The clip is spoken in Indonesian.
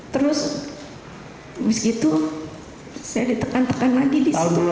terus habis itu saya ditekan tekan lagi di situ pak